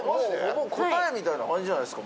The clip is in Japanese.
もう答えみたいな感じじゃないですか